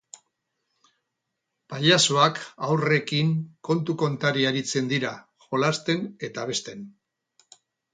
Pailazoak haurrekin kontu-kontari aritzen dira, jolasten eta abesten.